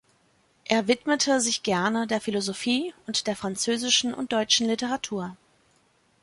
Er widmete sich gerne der Philosophie und der französischen und deutschen Literatur.